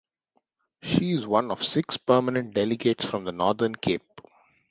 She is one of six permanent delegates from the Northern Cape.